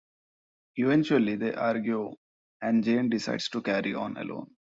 Eventually they argue, and Jane decides to carry on alone.